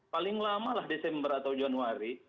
paling lamalah desember atau januari